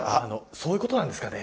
そういうことなんですかね？